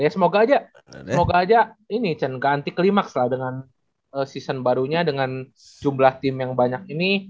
semoga aja ini chan ganti klimaks lah dengan season barunya dengan jumlah tim yang banyak ini